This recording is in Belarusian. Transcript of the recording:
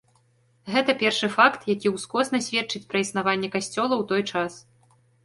Гэта першы факт, які ўскосна сведчыць пра існаванне касцёла ў той час.